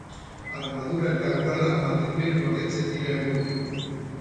Armadura eta uhala Madrilen gordetzen dira egun.